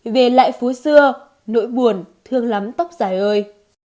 về lại phú xưa nỗi buồn thương lắm tóc dài ơi